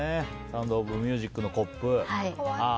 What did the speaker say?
「サウンド・オブ・ミュージック」のコップ。